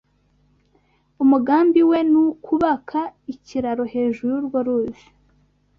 Umugambi we ni ukubaka ikiraro hejuru yurwo ruzi.